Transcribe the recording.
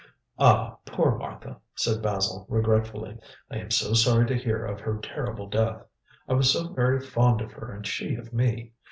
"Ah, poor Martha!" said Basil regretfully. "I am so sorry to hear of her terrible death. I was so very fond of her and she of me.